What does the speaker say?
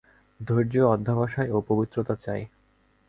ধৈর্য, অধ্যবসায় ও পবিত্রতা চাই।